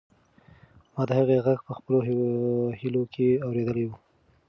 ما د هغې غږ په خپلو هیلو کې اورېدلی و.